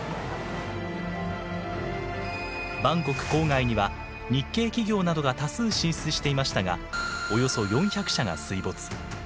バンコク郊外には日系企業などが多数進出していましたがおよそ４００社が水没。